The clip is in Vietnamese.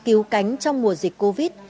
cứu cánh trong mùa dịch covid